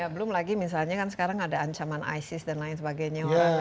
belum lagi misalnya kan sekarang ada ancaman isis dan lain sebagainya